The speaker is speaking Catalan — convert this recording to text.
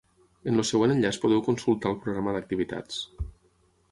En el següent enllaç podeu consulta el programa d’activitats.